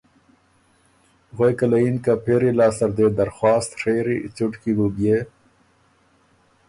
غوېکه له یِن که پېری لاسته ر دې درخواست ڒېری څُټکی بُو بيې